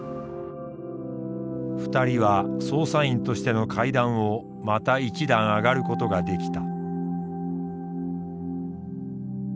２人は捜査員としての階段をまた一段上がることができた。